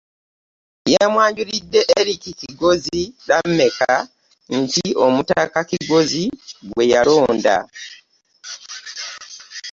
Yamwanjulidde Erick Kigozi Lameck nti omutaka Kigozi gwe yalonda